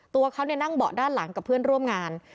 ตัวเขานั่งเบาะด้านหลังกับเพื่อนร่วมงาน